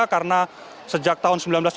karena sejak tahun seribu sembilan ratus tiga puluh